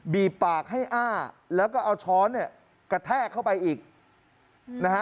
บีบปากให้อ้าแล้วก็เอาช้อนเนี่ยกระแทกเข้าไปอีกนะฮะ